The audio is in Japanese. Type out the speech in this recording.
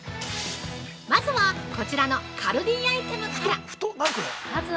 まずは、こちらのカルディアイテムから。